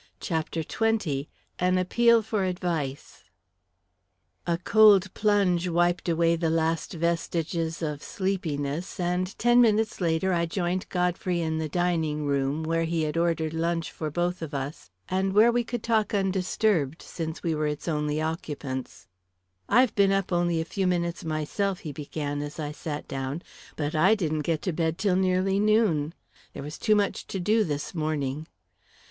CHAPTER XX An Appeal for Advice A cold plunge wiped away the last vestiges of sleepiness, and ten minutes later, I joined Godfrey in the dining room, where he had ordered lunch for both of us, and where we could talk undisturbed, since we were its only occupants. "I've been up only a few minutes myself," he began as I sat down. "But I didn't get to bed till nearly noon. There was too much to do, this morning."